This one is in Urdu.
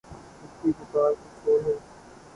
اس کی پکار کچھ اور ہے۔